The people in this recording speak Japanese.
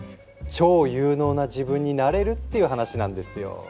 超有能な自分になれるっていう話なんですよ。